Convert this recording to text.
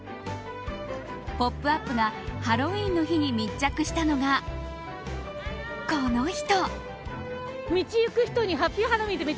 「ポップＵＰ！」がハロウィーンの日に密着したのがこの人！